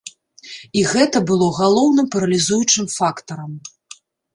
І гэта было галоўным паралізуючым фактарам.